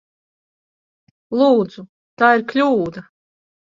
Lūdzu! Tā ir kļūda!